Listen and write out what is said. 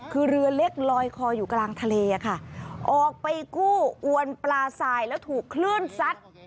คือเรือเล็กลอยคออยู่กลางทะเลค่ะออกไปกู้อวนปลาสายแล้วถูกคลื่นซัด